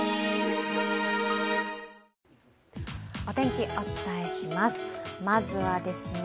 お天気、お伝えします。